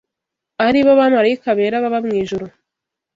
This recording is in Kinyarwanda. ari bo bamarayika bera baba mu ijuru